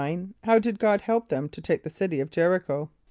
= How did God help them to take the city of J[)e]r´[)i] ch[=o]?